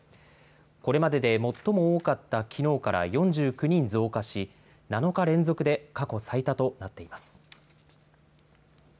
これまでで最も多かったきのうから４９人増加し、７日連続で過去最多となっています。